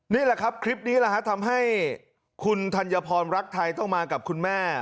นี่แหละครับคลิปนี้แหละฮะทำให้คุณธัญพรรักไทยต้องมากับคุณแม่